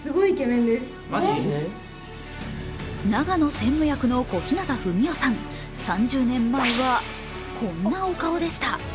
長野専務役の小日向文世さん、３０年前はこんなお顔でした。